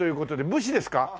武士ですか？